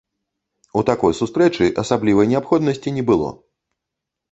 У такой сустрэчы асаблівай неабходнасці не было.